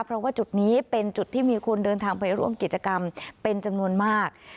เพราะว่าจุดนี้เป็นจุดที่มีคนเดินทางไปร่วมกิจกรรมเป็นจำนวนมาก